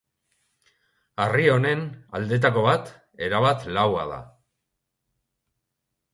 Harri honen aldeetako bat, erabat laua da.